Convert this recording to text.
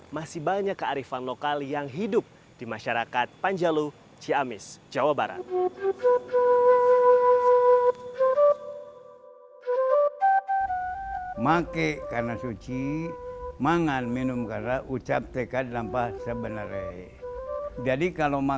masih banyak kearifan lokal yang menunjukkan bahwa situlengkong ini adalah sebuah danau yang diperlukan untuk mempelajari islam